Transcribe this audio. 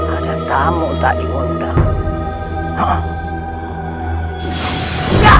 ada tamu tak diundang